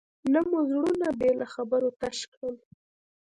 نه مو زړونه بې له خبرو تش کړل.